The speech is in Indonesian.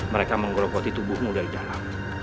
mereka menggerogoti tubuhmu dari dalam